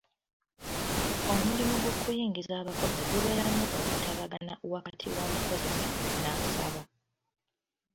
Omulimu gw'okuyingiza abakozi gubeeramu okutabagana wakati w'omukozesa n'asaba.